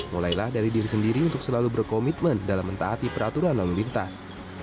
mulailah dari diri sendiri untuk selalu berkomitmen dalam mentaati peraturan lalu lintas